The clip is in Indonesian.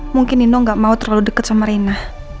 mungkin nino enggak mau terlalu deket sama rena